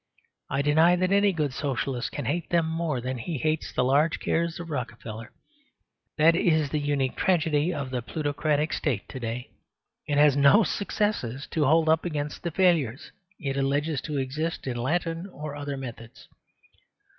I deny that any good Socialist can hate them more than he hates the large cares of Rockefeller. That is the unique tragedy of the plutocratic state to day; it has no successes to hold up against the failures it alleges to exist in Latin or other methods.